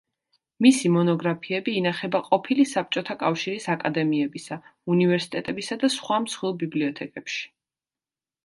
მისი მონოგრაფიები ინახება ყოფილი საბჭოთა კავშირის აკადემიებისა, უნივერსიტეტებისა და სხვა მსხვილ ბიბლიოთეკებში.